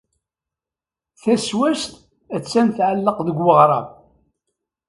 Taswast attan tɛelleq deg weɣrab.